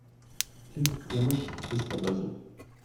Klingt komisch, ist aber so.